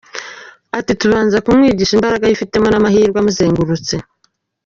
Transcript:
Ati “Tubanza kumwigisha imbaraga yifitemo n’amahirwe amuzengurutse.